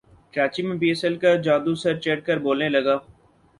کراچی میں P S L کا جادو سر چڑھ کر بولنے لگا